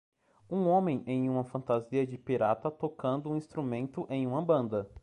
Um homem em uma fantasia de pirata tocando um instrumento em uma banda.